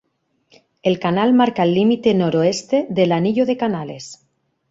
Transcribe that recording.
El canal marca el límite noroeste del Anillo de Canales.